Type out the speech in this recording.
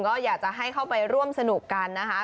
ก็อยากจะให้เข้าไปร่วมสนุกกันนะคะ